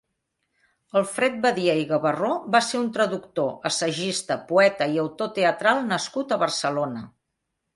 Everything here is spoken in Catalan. Alfred Badia i Gabarró va ser un traductor, assagista, poeta i autor teatral nascut a Barcelona.